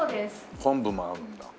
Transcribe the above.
昆布もあるんだ。